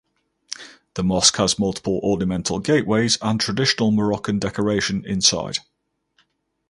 The mosque has multiple ornamental gateways and traditional Moroccan decoration inside.